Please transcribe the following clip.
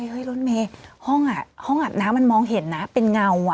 รถเมย์ห้องอาบน้ำมันมองเห็นนะเป็นเงาอ่ะ